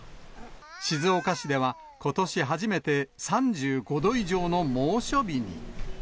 静岡市では、ことし初めて３５度以上の猛暑日に。